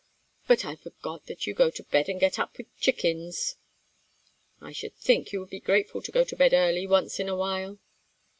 But I forgot that you go to bed and get up with chickens." "I should think you would be grateful to go to bed early, once in a while."